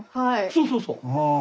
そうそうそう。